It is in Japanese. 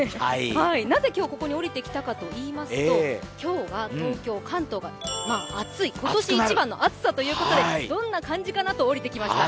なぜ今日、ここにおりてきたかといいますと、今日は東京、関東が暑い、今年一番の暑さということで、どんな感じかなと下りてきました。